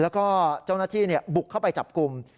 แล้วก็เจ้าหน้าที่บุกเข้าไปจับกลุ่ม